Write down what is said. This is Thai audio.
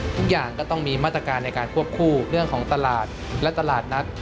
ทุกอย่างก็ต้องมีมาตรการในการควบคู่เรื่องของตลาดและตลาดนัด